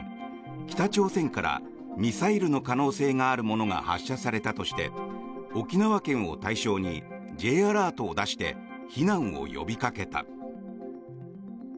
北朝鮮からミサイルの可能性があるものが発射されたとして沖縄県を対象にＪアラートを出して避難を呼びかけた。